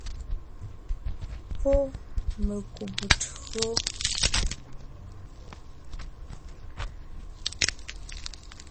Pɔ́ mekùbe tÿǒ.